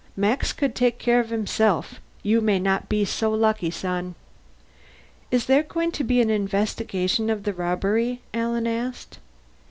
Max could take care of himself; you may not be so lucky, son." "Is there going to be an investigation of the robbery?" Alan asked.